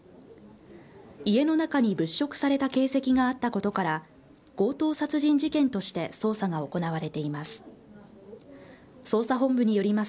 家の中に物色された形跡があったことから、強盗殺人事件として捜査が行われています。